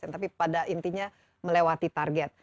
tapi pada intinya melewati target